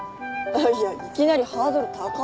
いやいきなりハードル高っ。